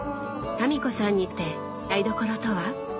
民子さんにとって台所とは？